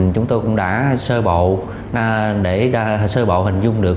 chúng tôi cũng đã sơ bộ để sơ bộ hình dung được